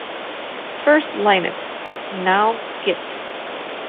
First 'Linux', now 'git'.